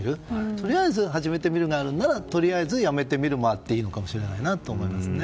とりあえず始めてみるがあるならとりあえずやめてみるもあっていいのかなと思いますね。